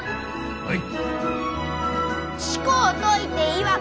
はい！